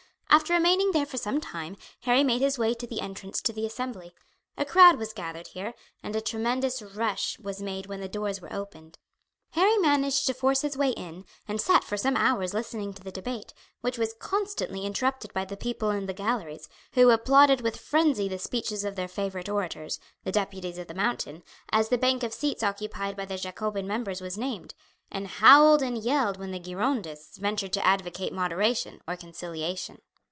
After remaining there for some time Harry made his way to the entrance to the Assembly. A crowd was gathered here, and a tremendous rush was made when the doors were opened. Harry managed to force his way in and sat for some hours listening to the debate, which was constantly interrupted by the people in the galleries, who applauded with frenzy the speeches of their favourite orators, the deputies of the Mountain, as the bank of seats occupied by the Jacobin members was named, and howled and yelled when the Girondists ventured to advocate moderation or conciliation.